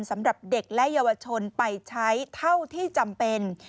สำหรับเด็กและเยาวชนไปใช้เท่าที่จำเป็น